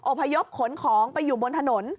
พยพขนของไปอยู่บนถนน